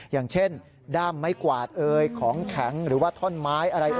อย่างเช่นด้ามไม้กวาดของแข็งหรือว่าท่อนไม้อะไร